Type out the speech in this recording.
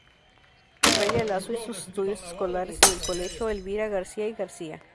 Ofelia Lazo hizo sus estudios escolares en el Colegio Elvira García y García.